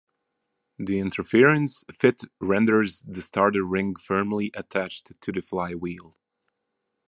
The interference fit renders the starter ring firmly attached to the flywheel.